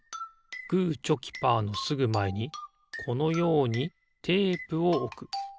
グーチョキパーのすぐまえにこのようにテープをおく。